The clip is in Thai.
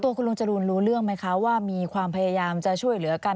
คุณลุงจรูนรู้เรื่องไหมคะว่ามีความพยายามจะช่วยเหลือกัน